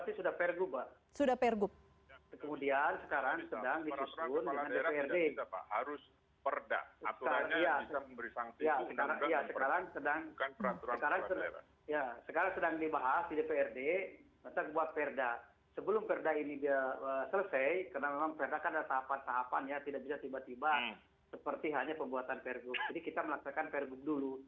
ini sudah menjadi tuntutan kita semua